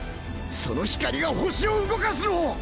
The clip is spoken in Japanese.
その光が星を動かすのを！